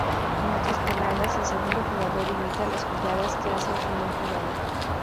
En otras palabras, el segundo jugador imita las jugadas que hace el primer jugador.